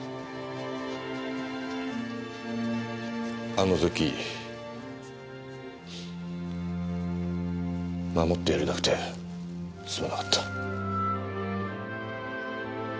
あの時守ってやれなくてすまなかった。